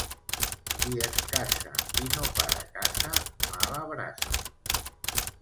Qui es casa i no para casa, mala brasa.